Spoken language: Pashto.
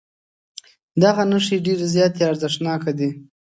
دغه نښې ډېرې زیاتې ارزښتناکې دي.